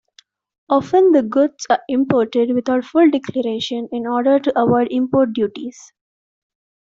Often the goods are imported without full declaration in order to avoid import duties.